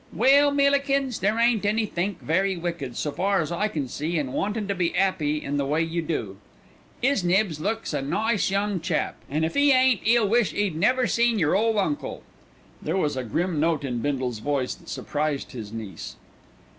"Well, Millikins, there ain't any think very wicked, so far as I can see, in wantin' to be 'appy in the way you do. 'Is nibs looks a nice young chap, an' if 'e ain't 'e'll wish 'e'd never seen your ole uncle." There was a grim note in Bindle's voice that surprised his niece.